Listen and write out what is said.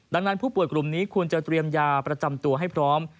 ดังนั้นผู้ป่วยกลุ่มนี้ควรจะเตรียมยาประจำตัวให้พร้อม